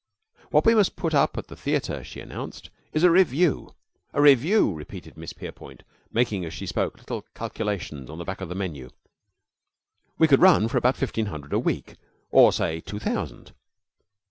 "What we must put up at that theater," she announced, "is a revue. A revue," repeated Miss Verepoint, making, as she spoke, little calculations on the back of the menu, "we could run for about fifteen hundred a week or, say, two thousand."